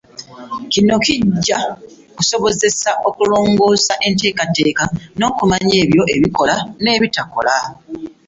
Kino kijja kusobozesaa okulongoosa enteekateeka n’okumanya ebyo ebikola n’ebitakola.